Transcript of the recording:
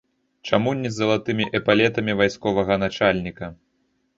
Чаму не з залатымі эпалетамі вайсковага начальніка?